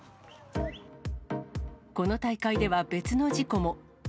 この大会では別の事故も。